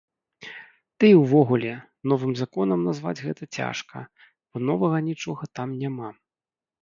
Ды і ўвогуле, новым законам назваць гэта цяжка, бо новага нічога там няма.